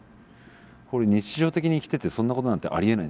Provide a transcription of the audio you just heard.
これ日常的に生きててそんなことなんてありえないんですよ。